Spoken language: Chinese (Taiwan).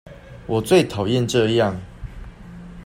我最討厭這樣